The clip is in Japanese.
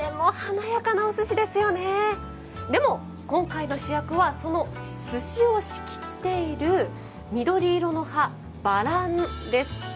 でも今回の主役はその寿司を仕切っている緑色の葉バランです。